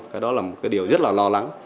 cái đó là một cái điều rất là lo lắng